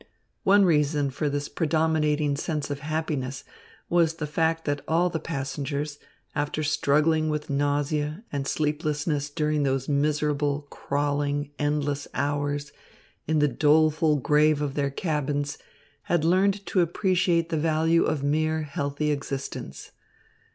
One reason for this predominating sense of happiness was the fact that all the passengers, after struggling with nausea and sleeplessness during those miserable, crawling, endless hours in the doleful grave of their cabins, had learned to appreciate the value of mere healthy existence.